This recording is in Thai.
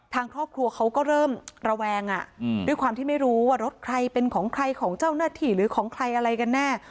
ทางครอบครัวเขาก็เริ่มระแวงด้วยความที่ไม่รู้ว่ารถใครเป็นของใครของเจ้าหน้าที่หรือของใครอะไรกันแน่